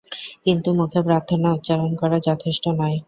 কিন্তু মুখে প্রার্থনা উচ্চারণ করা যথেষ্ট নয়।